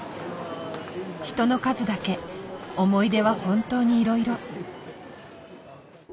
人の数だけ思い出は本当にいろいろ。